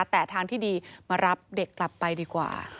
แต่ทางที่ดีมารับเด็กกลับไปดีกว่า